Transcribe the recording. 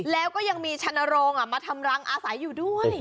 แล้วก็ยังมีชนโรงมาทำรังอาศัยอยู่ด้วย